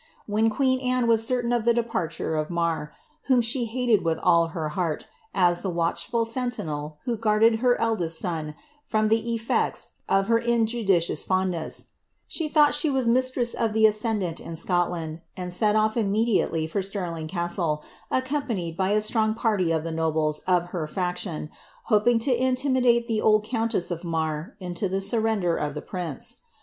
When queen Anne was certain of the depart ure of Marr — whom she hated with all her heart, as the watchful sen tinel who guarded her eldest son from the eflects of her injudicious fondness— «he thought she was mistress of the ascendant in Scotland, and set off immediately for Stirling Castle, accompanied by a strong party of the nobles of her faction, hoping to intimidate the old countess of Marr, into the surrender of the prince.'